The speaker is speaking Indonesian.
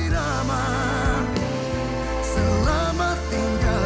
namun sebagai r toolbar